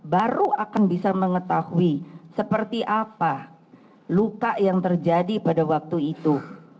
baru akan bisa mengetahui seperti apa luka yang terjadi pada waktu itu